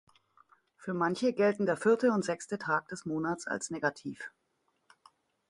Für manche gelten der vierte und sechste Tag des Monats als negativ.